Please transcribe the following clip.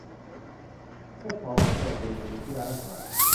พวกเขาสำรวจดูเมนูที่ร้านอาหาร